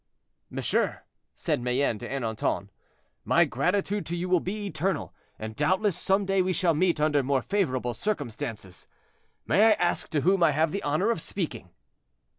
"Monsieur," said Mayenne to Ernanton, "my gratitude to you will be eternal; and, doubtless, some day we shall meet under more favorable circumstances. May I ask to whom I have the honor of speaking?"